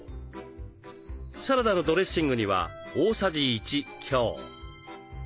サラダのドレッシングには大さじ１強。